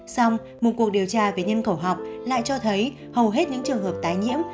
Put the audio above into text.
xong một cuộc điều tra về nhân khẩu học lại cho thấy hầu hết những trường hợp tái nhiễm